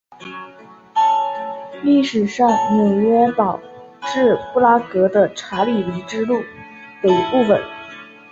历史上是纽伦堡至布拉格的查理之路的一部份。